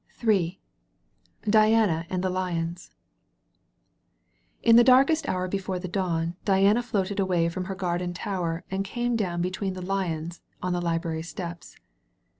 S21 DIANA AND THE LIONS In the darkest hour before the dawn, Diana floated away from her Garden Tower and came down be tween the Lions on the Library Steps.